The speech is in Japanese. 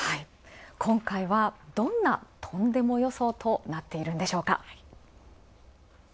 今回は、どんなとんでも予想となっているんでしょうか。